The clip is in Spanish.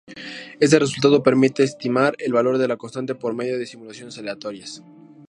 Este resultado permite estimar el valor de la constante por medio de simulaciones aleatorias.